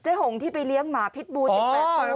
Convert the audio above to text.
เจ๊หงที่ไปเลี้ยงหมาพิษบูรรณ์อีก๘ตัว